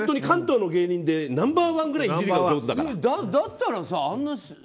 関東の芸人でナンバーワンぐらいだったらさあんな